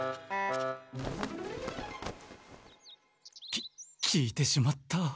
き聞いてしまった。